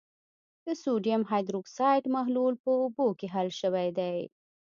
د سوډیم هایدروکسایډ محلول په اوبو کې حل شوی دی.